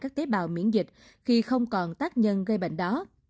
các tế bào miễn dịch khi không còn tác nhân gây bệnh đó